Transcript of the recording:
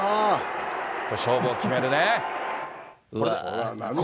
勝負を決めるね。